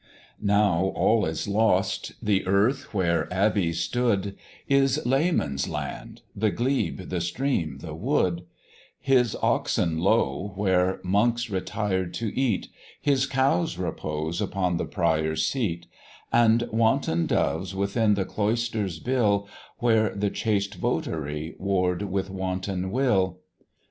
"Now all is lost, the earth where abbeys stood Is layman's land, the glebe, the stream, the wood: His oxen low where monks retired to eat, His cows repose upon the prior's seat: And wanton doves within the cloisters bill, Where the chaste votary warr'd with wanton will."